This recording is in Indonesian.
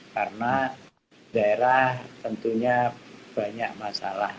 karena daerah tentunya banyak masalah